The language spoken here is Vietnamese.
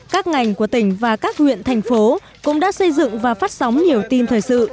các ngành của tỉnh và các huyện thành phố cũng đã xây dựng và phát sóng nhiều tin thời sự